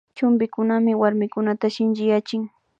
Chumpikunami warmikunata shinchiyachin